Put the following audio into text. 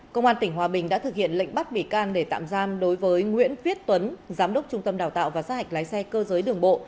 công an tỉnh hòa bình đã thực hiện lệnh bắt bị can để tạm giam đối với nguyễn viết tuấn giám đốc trung tâm đào tạo và sát hạch lái xe cơ giới đường bộ